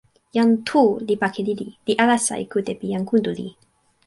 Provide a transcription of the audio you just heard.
jan Tu li pake lili, li alasa e kute pi jan Kuntuli.